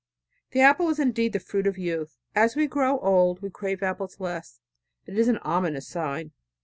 The apple is indeed the fruit of youth. As we grow old we crave apples less. It is an ominous sign.